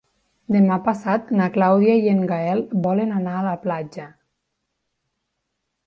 Demà passat na Clàudia i en Gaël volen anar a la platja.